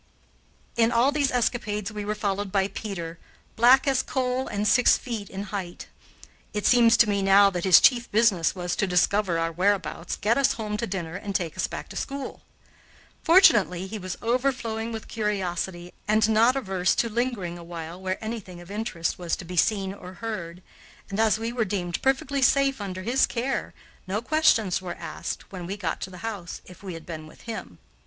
In all these escapades we were followed by Peter, black as coal and six feet in height. It seems to me now that his chief business was to discover our whereabouts, get us home to dinner, and take us back to school. Fortunately he was overflowing with curiosity and not averse to lingering a while where anything of interest was to be seen or heard, and, as we were deemed perfectly safe under his care, no questions were asked when we got to the house, if we had been with him.